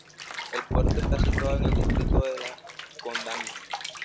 El puerto está situado en el distrito de La Condamine.